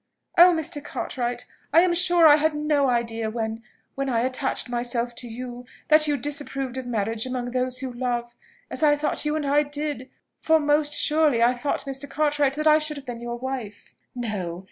"Oh, Mr. Cartwright! I am sure I had no idea when when I attached myself to you, that you disapproved of marriage among those who love, as I thought you and I did; for most surely I thought, Mr. Cartwright, that I should have been your wife." "No?